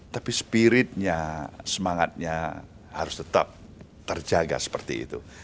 tapi spiritnya semangatnya harus tetap terjaga seperti itu